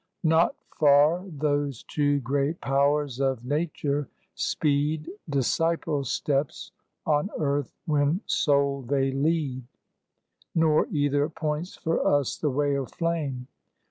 Not far those two great Powers of Nature speed Disciple steps on earth when sole they lead; Nor either points for us the way of flame.